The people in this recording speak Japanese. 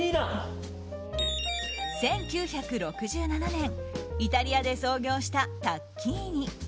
１９６７年イタリアで創業したタッキーニ。